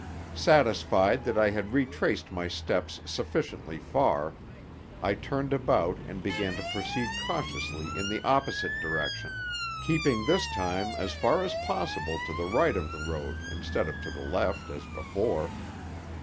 Satisfied that I had retraced my steps sufficiently far, I turned about and began to proceed cautiously in the opposite direction, keeping this time as far as possible to the right of the road instead of to the left, as before.